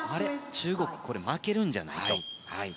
中国負けるんじゃないと。